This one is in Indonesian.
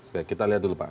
baik kita lihat dulu pak